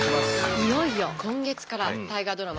いよいよ今月から大河ドラマ